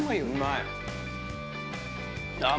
うまい！